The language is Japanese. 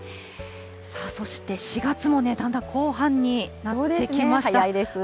そして４月もだんだん後半になっ早いです。